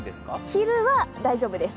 昼は大丈夫です。